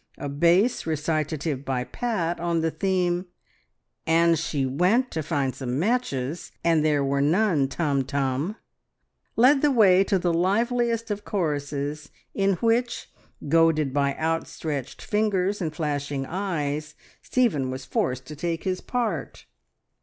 A bass recitative by Pat, on the theme "And she went to find some mat ches. And there were none... Tum Tum!" led the way to the liveliest of choruses, in which, goaded by outstretched fingers and flashing eyes, Stephen was forced to take his part.